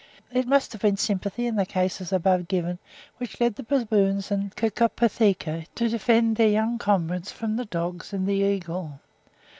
It must have been sympathy in the cases above given which led the baboons and Cercopitheci to defend their young comrades from the dogs and the eagle.